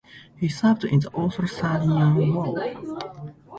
He served in the Austro-Sardinian War.